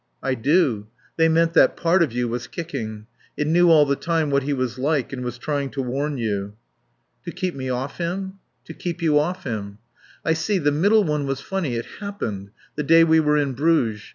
"I do. They meant that part of you was kicking. It knew all the time what he was like and was trying to warn you." "To keep me off him?" "To keep you off him." "I see.... The middle one was funny. It happened. The day we were in Bruges.